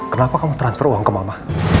kenapa kamu transfer uang ke mama